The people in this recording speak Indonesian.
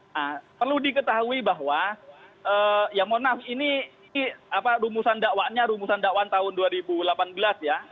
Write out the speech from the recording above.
nah perlu diketahui bahwa ya mohon maaf ini rumusan dakwaannya rumusan dakwaan tahun dua ribu delapan belas ya